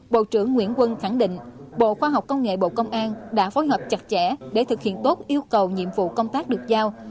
bộ trưởng nguyễn quân khẳng định bộ khoa học công nghệ bộ công an đã phối hợp chặt chẽ để thực hiện tốt yêu cầu nhiệm vụ công tác được giao